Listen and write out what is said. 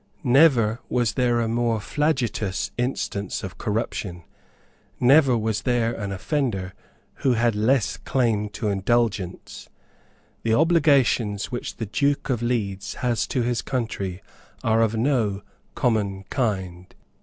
Never was there a more flagitious instance of corruption. Never was there an offender who had less claim to indulgence. The obligations which the Duke of Leeds has to his country are of no common kind.